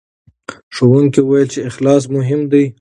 ښوونکي وویل چې اخلاص مهم دی.